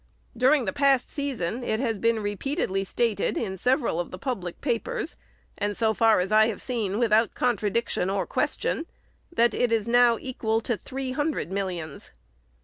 During the past season, it has been repeatedly stated, in several of the public papers, and, so far as I have seen, without contradiction or question, that it is now equal to three hundred millions.